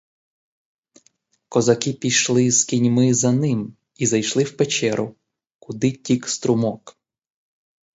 Козаки пішли з кіньми за ним і зайшли в печеру, куди тік струмок.